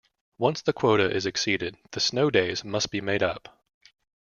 Once the quota is exceeded, the snow days must be made up.